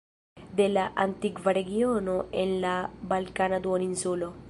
De la antikva regiono en la Balkana Duoninsulo.